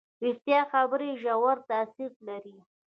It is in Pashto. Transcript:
ریښتیا خبرې ژور تاثیر لري.